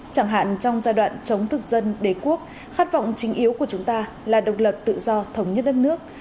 chẳng hạn trong giai đoạn chống thực dân đế quốc khát vọng chính yếu của chúng ta là độc lập tự do thống nhất đất nước